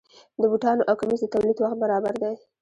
د بوټانو او کمیس د تولید وخت برابر دی.